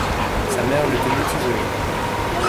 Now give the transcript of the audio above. Sa mère le tenait isolé.